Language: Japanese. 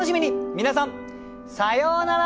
皆さんさようなら！